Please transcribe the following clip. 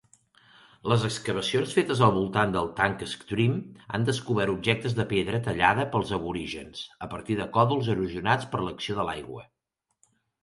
Les excavacions fetes al voltant del Tank Stream han descobert objectes de pedra tallada pels aborígens a partir de còdols erosionats per l'acció de l'aigua.